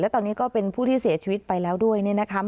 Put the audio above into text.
ตอนนี้ก็เป็นผู้ที่เสียชีวิตไปแล้วด้วยเนี่ยนะคะ